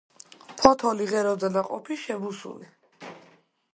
ფოთოლი, ღერო და ნაყოფი შებუსული.